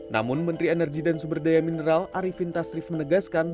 namun menteri energi dan sumber daya mineral arifin tasrif menegaskan